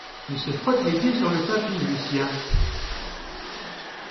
Il se frotte les pieds sur le tapis Lucien .